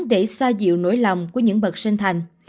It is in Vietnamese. để xoa dịu nỗi lòng của những bậc sinh thành